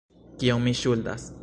Kiom ni ŝuldas?